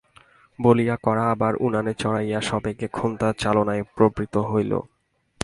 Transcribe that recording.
বলিয়া কড়া আবার উনানে চড়াইয়া সবেগে খোন্তা-চালনায় প্রবৃত্ত হইল।